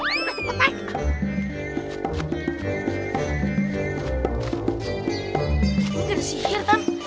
ini kan sihir tan